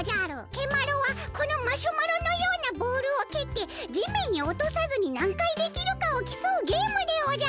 蹴マロはこのマシュマロのようなボールをけってじめんにおとさずになんかいできるかをきそうゲームでおじゃる！